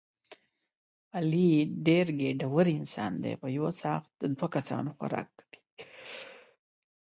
علي ډېر ګېډور انسان دی په یوه څاښت د دوه کسانو خوراک کوي.